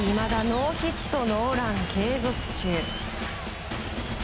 ノーヒットノーラン継続中。